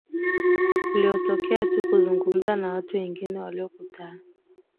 uliyotokea tu kuzungumza na watu wengine waliokutana